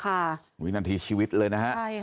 วินัทรีย์ชีวิตเลยสักทีมากครับครับขอรับกลับมาบ้านด้านนี้ล่ะค่ะ